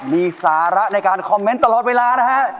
มีสาระในการคอมเมนต์ตลอดเวลานะฮะ